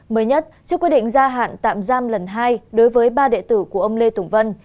mới nhất trước quyết định gia hạn tạm giam lần hai đối với ba đệ tử của ông lê tùng vân